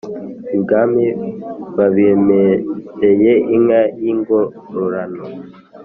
ibwami babimpereye inka y'ingororano